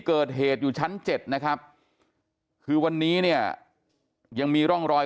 เกิดเหตุอยู่ชั้น๗นะครับคือวันนี้เนี่ยยังมีร่องรอย